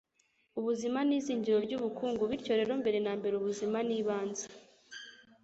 ubuzima ni izingiro ry'ubukungu bityo rero mbere nambere ubuzima ni ibanze